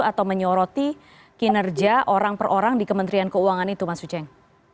atau menyoroti kinerja orang per orang di kementerian keuangan itu mas uceng